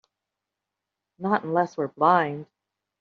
Not unless we're blind.